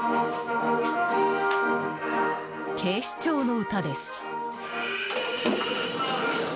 「警視庁の歌」です。